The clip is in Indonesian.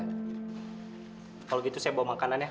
kalau gitu saya bawa makanan ya